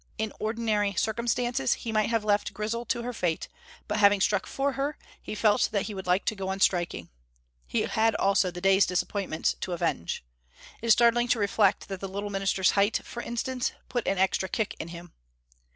In ordinary circumstances he might have left Grizel to her fate, but having struck for her, he felt that he would like to go on striking. He had also the day's disappointments to avenge. It is startling to reflect that the little minister's height, for instance, put an extra kick in him.